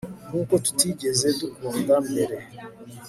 nkuko tutigeze dukunda mbere